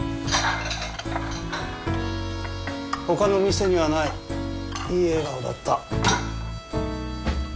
ほかの店にはないいい笑顔だった。